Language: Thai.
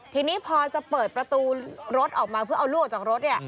ทีนี้พอจะเปิดประตูรถออกมาเพื่อเอาลูกออกจากรถเนี่ย